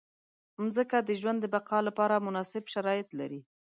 مځکه د ژوند د بقا لپاره مناسب شرایط لري.